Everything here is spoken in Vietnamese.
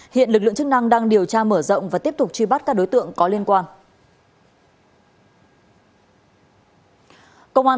hiện lực lượng chức năng đang điều tra mở rộng và tiếp tục truy bắt các đối tượng có liên quan